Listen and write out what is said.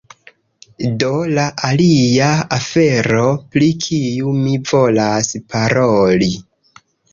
Do la alia afero, pri kiu mi volas paroli